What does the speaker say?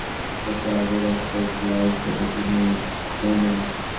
ঠিক তার ওপরে সাদা ব্যানারে প্রজেক্টরের আলোয় ভাসল যাঁর ছবি, তিনি রবীন্দ্রনাথ।